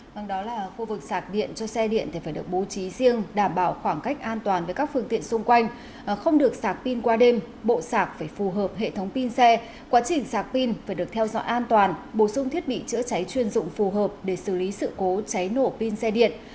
bằng đó là khu vực sạc điện cho xe điện thì phải được bố trí riêng đảm bảo khoảng cách an toàn với các phương tiện xung quanh không được sạc pin qua đêm bộ sạc phải phù hợp hệ thống pin xe quá trình sạc pin phải được theo dõi an toàn bổ sung thiết bị chữa cháy chuyên dụng phù hợp để xử lý sự cố cháy nổ pin xe điện